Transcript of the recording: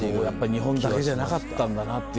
日本だけじゃなかったんだなっていう。